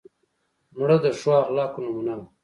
مړه د ښو اخلاقو نمونه وه